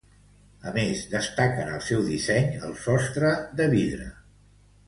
A més, destaca en el seu disseny el sostre de vidre.